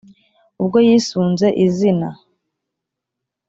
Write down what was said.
ubwo yisunze izina